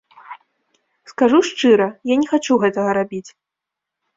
Скажу шчыра, я не хачу гэтага рабіць.